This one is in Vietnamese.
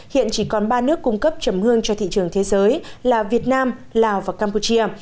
hiện chỉ còn ba nước cung cấp chầm hương cho thị trường thế giới là việt nam lào và campuchia